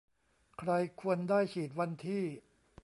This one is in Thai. ใครควรได้ฉีดวันที่